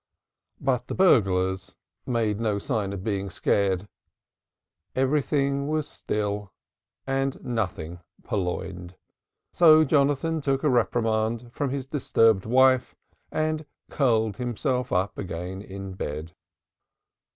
But the "Buglers" made no sign of being scared, everything was still and nothing purloined, so Jonathan took a reprimand from his disturbed wife and curled himself up again in bed.